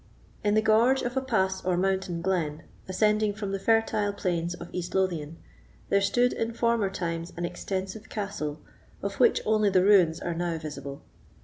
In the gorge of a pass or mountain glen, ascending from the fertile plains of East Lothian, there stood in former times an extensive castle, of which only the ruins are now visible.